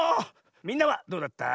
みんなはどうだった？